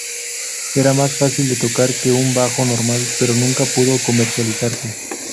Era más fácil de tocar que un bajo normal, pero nunca pudo comercializarse.